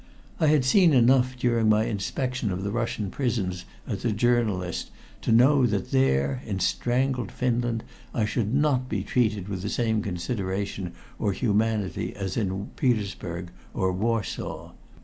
I had seen enough during my inspection of the Russian prisons as a journalist to know that there, in strangled Finland, I should not be treated with the same consideration or humanity as in Petersburg or Warsaw.